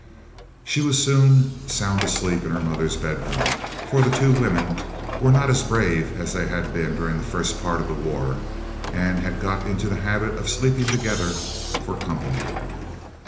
She was soon sound asleep in her mother's bedroom, for the two women were not as brave as they had been during the first part of the war and had got into the habit of sleeping together "for company."